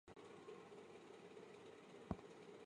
最高法院拒绝审理此案。